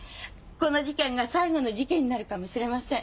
この事件が最後の事件になるかもしれません。